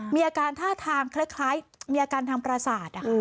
มีอาการท่าทางคล้ายคล้ายมีอาการทางประสาทอ่ะอืม